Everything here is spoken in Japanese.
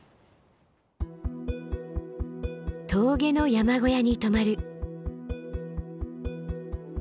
峠の山小屋に泊まる。